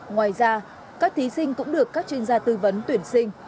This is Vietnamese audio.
ngoài ra các thí sinh cũng được các chuyên gia tư vấn tuyển sinh